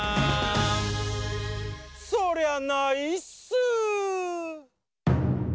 そりゃないっすー！